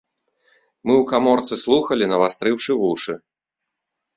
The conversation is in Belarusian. Мы ў каморцы слухалі, навастрыўшы вушы.